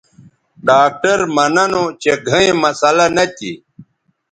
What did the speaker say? ڈاکٹر مہ ننو چہ گھئیں مسلہ نہ تھی